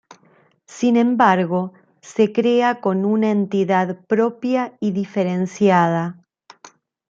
Sin embargo, se crea con una entidad propia y diferenciada.